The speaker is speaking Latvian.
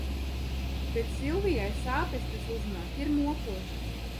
Bet Silvijai sāpes, kas uznāk ir mokošas.